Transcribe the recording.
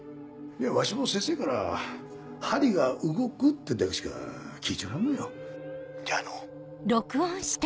いやわしも先生から針が動くってだけしか聞いちょらんのよじゃあの。